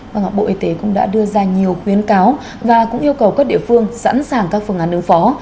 và bộ y tế cũng đã đưa ra nhiều khuyến cáo và cũng yêu cầu các địa phương sẵn sàng các phương án ứng phó